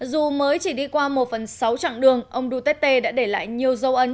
dù mới chỉ đi qua một phần sáu chặng đường ông duterte đã để lại nhiều dấu ấn